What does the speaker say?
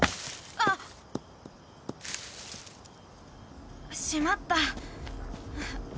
あっ！しまった！